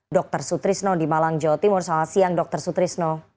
dr sutrisno di malang jawa timur selamat siang dr sutrisno